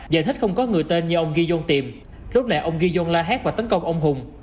giải thích không có người tên như ông giyon tìm lúc này ông giyon la hét và tấn công ông hùng